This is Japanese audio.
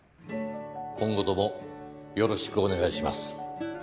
今後ともよろしくお願いします。